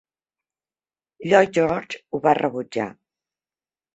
Lloyd George ho va rebutjar.